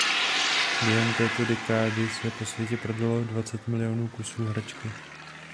Během této dekády se po světě prodalo dvacet milionů kusů hračky.